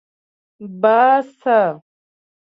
باسه